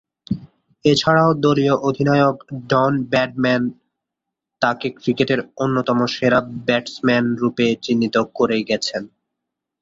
এছাড়াও দলীয় অধিনায়ক ডন ব্র্যাডম্যান তাকে ক্রিকেটের অন্যতম সেরা ব্যাটসম্যানরূপে চিত্রিত করে গেছেন।